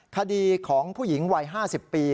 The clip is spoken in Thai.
คดีของผู้หญิงวัย๕๐ปี